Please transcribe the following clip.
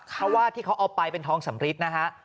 เพราะว่าที่เขาเอาไปเป็นทองสำริดนะฮะ